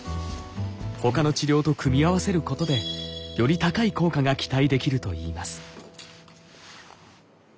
ほかの治療と組み合わせることでより高い効果が期待できるといいます。